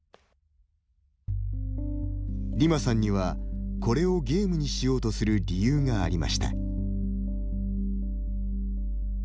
ディマさんにはこれをゲームにしようとする理由がありました。